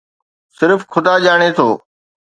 صرف خدا ڄاڻي ٿو.